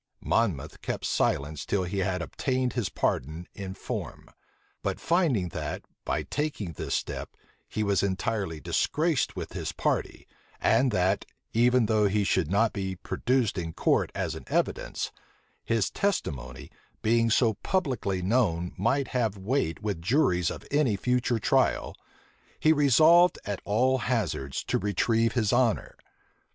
Monmouth kept silence till he had obtained his pardon in form: but finding that, by taking this step, he was entirely disgraced with his party, and that, even though he should not be produced in court as an evidence, his testimony, being so publicly known might have weight with juries on any future trial, he resolved at all hazards to retrieve his honor.